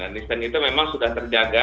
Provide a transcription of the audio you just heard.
dan distance itu memang sudah terjaga